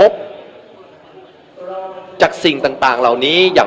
ไม่ว่าจะเป็นท่าน